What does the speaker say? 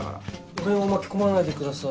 俺を巻き込まないでください。